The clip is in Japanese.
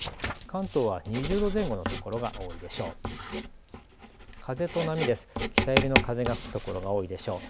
関東は２０度前後の所が多いでしょう。